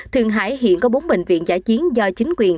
thượng hải hiện có bốn bệnh viện giải chiến do chính quyền